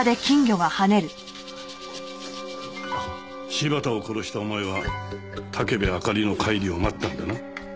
柴田を殺したお前は武部あかりの帰りを待ったんだな。